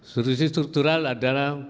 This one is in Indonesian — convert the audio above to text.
solusi struktural adalah